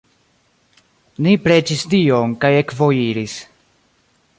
Ni preĝis Dion kaj ekvojiris.